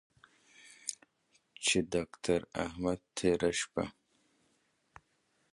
چې داکتر احمد تېره شپه